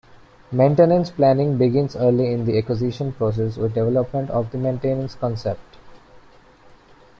Maintenance planning begins early in the acquisition process with development of the maintenance concept.